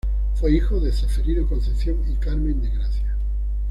Fue hijo de Ceferino Concepción y Carmen de Gracia.